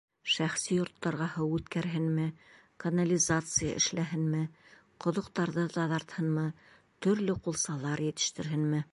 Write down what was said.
Шәхси йорттарға һыу үткәрһенме, канализация эшләһенме, ҡоҙоҡтарҙы таҙартһынмы, төрлө ҡулсалар етештерһенме...